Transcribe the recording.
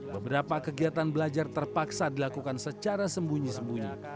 beberapa kegiatan belajar terpaksa dilakukan secara sembunyi sembunyi